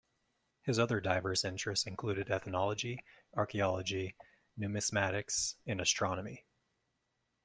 His other diverse interests included ethnology, archaeology, numismatics, and astronomy.